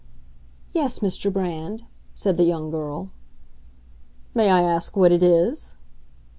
"Yes, Mr. Brand," said the young girl. "May I ask what it is?"